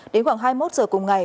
đến khoảng hai mươi một h cùng ngày